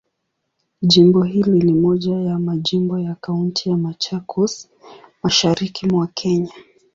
Jimbo hili ni moja ya majimbo ya Kaunti ya Machakos, Mashariki mwa Kenya.